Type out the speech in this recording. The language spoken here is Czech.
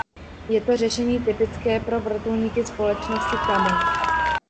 Je to řešení typické pro vrtulníky společnosti Kamov.